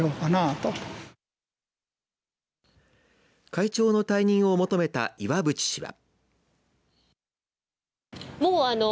会長の退任を求めた岩渕氏は。